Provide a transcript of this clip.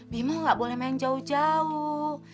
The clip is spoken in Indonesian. bimbo nggak boleh main jauh jauh